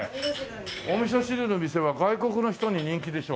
おみそ汁の店は外国の人に人気でしょう？